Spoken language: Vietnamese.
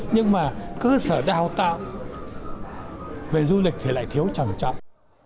nhưng mà cơ sở đào tạo về du lịch thì lại thiếu trầm trọng